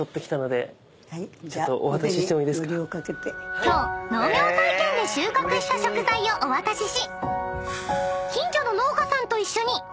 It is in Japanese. ［今日農業体験で収穫した食材をお渡しし］